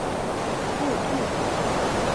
Үт, үт!